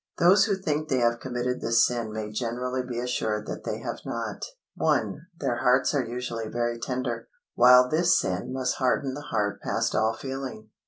Those who think they have committed this sin may generally be assured that they have not. 1. Their hearts are usually very tender, while this sin must harden the heart past all feeling.